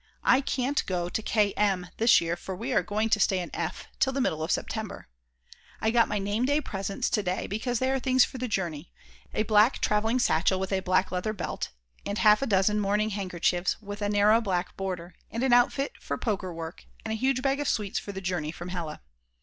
I can't go to K M this year, for we are going to stay in F. till the middle of September. I got my name day presents to day because they are things for the journey: a black travelling satchel with a black leather belt, and half a dozen mourning handkerchiefs with a narrow black border, and an outfit for pokerwork, and a huge bag of sweets for the journey from Hella.